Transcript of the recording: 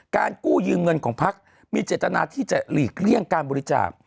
กู้ยืมเงินของพักมีเจตนาที่จะหลีกเลี่ยงการบริจาค